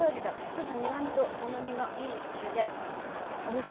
ちょっと苦みと甘みがいいあれでおいしい。